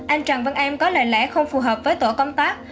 anh trần văn em có lời lẽ không phù hợp với tổ công tác